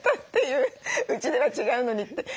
うちでは違うのにって。